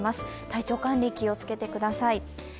体調管理、気をつけてください。